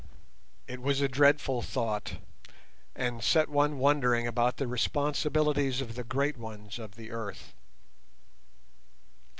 It was a dreadful thought, and set one wondering about the responsibilities of the great ones of the earth.